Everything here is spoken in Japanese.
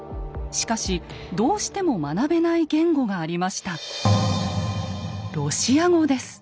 しかしどうしても学べない言語がありました。